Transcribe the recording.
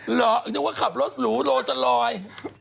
เหรออืมคนึกว่าขับรถหรูโลสรอย